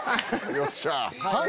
よっしゃ！